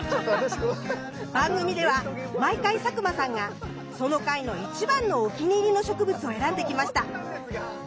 番組では毎回佐久間さんがその回の一番のお気に入りの植物を選んできました。